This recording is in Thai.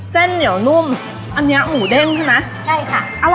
เส้นเหนียวนุ่มอันนี้หมูเด้งใช่ไหมใช่ค่ะ